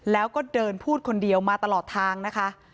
แล้วก็เดินพูดคนเดียวมาตลอดทางนะคะ